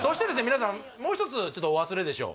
皆さんもうひとつちょっとお忘れでしょう